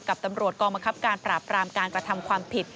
กับตำรวจกองบังคับการปราบรามการกระทำความผิด